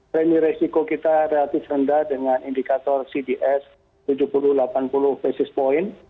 premi risiko kita relatif rendah dengan indikator cds tujuh puluh delapan puluh basis point